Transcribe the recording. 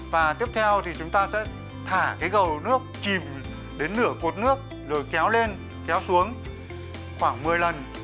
và tiếp theo thì chúng ta sẽ thả cái gầu nước kìm đến nửa cột nước rồi kéo lên kéo xuống khoảng một mươi lần